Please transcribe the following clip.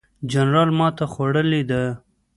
جنرال ماته خوړلې ده.